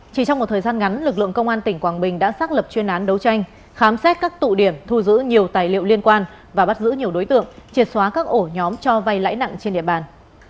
chỉ trong một thời gian ngắn lực lượng công an tỉnh quảng bình đã xác lập chuyên án đấu tranh khám xét các tụ điểm thu giữ nhiều tài liệu liên quan và bắt giữ nhiều đối tượng triệt xóa các ổ nhóm cho vay lãi nặng trên địa bàn